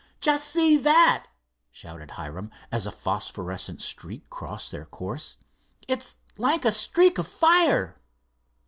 "Just see that!" shouted Hiram, as a phosphorescent streak crossed their course. "It's like a streak of fire."